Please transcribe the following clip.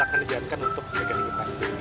akan dijalankan untuk negatifasi